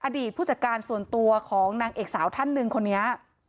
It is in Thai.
ผู้จัดการส่วนตัวของนางเอกสาวท่านหนึ่งคนนี้